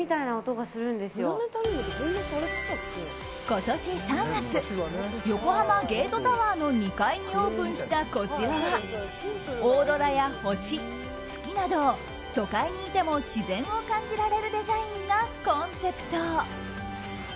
今年３月横濱ゲートタワーの２階にオープンしたこちらはオーロラや星、月など都会にいても自然を感じられるデザインがコンセプト。